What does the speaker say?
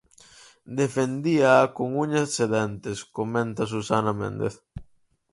Defendíaa con uñas e dentes comenta Susana Méndez.